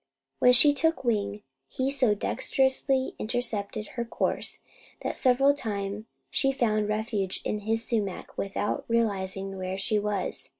When she took wing, he so dexterously intercepted her course that several time she found refuge in his sumac without realizing where she was.